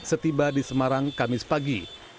setiba di semarang kamis pagi